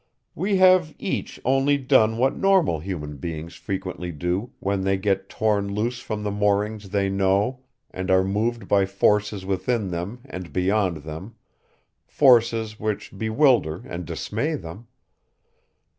We have each only done what normal human beings frequently do when they get torn loose from the moorings they know and are moved by forces within them and beyond them, forces which bewilder and dismay them.